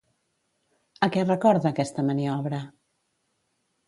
A què recorda aquesta maniobra?